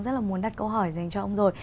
rất là muốn đặt câu hỏi dành cho ông rồi